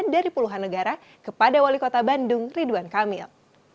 dari puluhan negara kepada wali kota bandung ridwan kamil